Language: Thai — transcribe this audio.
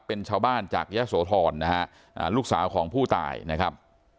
เป็นชาวบ้านจากยะโสธรนะฮะลูกสาวของผู้ตายนะครับ